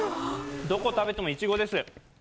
どこ食べてもいちごです。